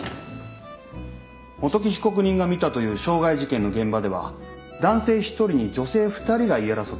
元木被告人が見たという傷害事件の現場では男性１人に女性２人が言い争っていたと。